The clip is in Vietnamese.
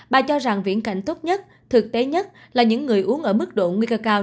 bà cho rằng viễn cảnh tốt nhất thực tế nhất là những người uống ở mức độ nguy cơ cao